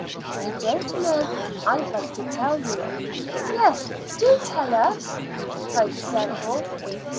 If you don't know, I'd like to tell you." "Yes, do tell us," cried several.